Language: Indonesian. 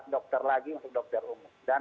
empat dokter lagi untuk dokter umum